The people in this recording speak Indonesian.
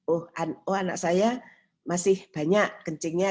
oh anak saya masih banyak kencingnya